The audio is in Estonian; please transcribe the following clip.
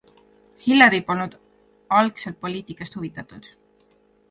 Hillary polnud algselt poliitikast huvitatud.